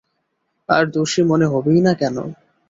আর দোষী মনে হবেই বা কেনো?